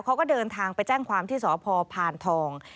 เขาก็เดินทางไปแจ้งความที่สพพานทอง